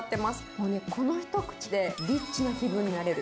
もうね、この一口でリッチな気分になれる。